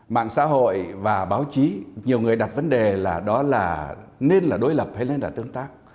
mạng xã hội và báo chí nhiều người đặt vấn đề là đó là nên là đối lập hay nên là tương tác